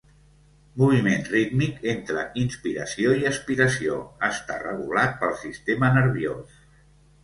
Moviment rítmic entre inspiració i espiració, està regulat pel sistema nerviós.